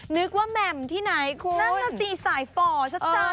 นึกว่าแหม่มที่ไหนคุณนั่นน่ะสิสายฝ่อซะ